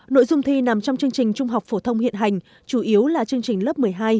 nội dung thi nằm trong chương trình trung học phổ thông hiện hành chủ yếu là chương trình lớp một mươi hai